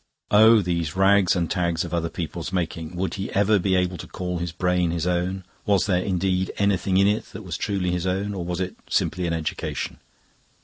Oh, these rags and tags of other people's making! Would he ever be able to call his brain his own? Was there, indeed, anything in it that was truly his own, or was it simply an education?